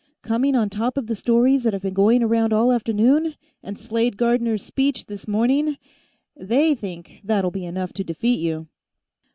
Coming on top of the stories that have been going around all afternoon, and Slade Gardner's speech, this morning, they think that'll be enough to defeat you."